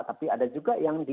tapi ada juga yang di